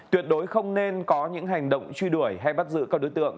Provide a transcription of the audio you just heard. tuyệt đối không nên có những hành động truy đuổi hay bắt giữ các đối tượng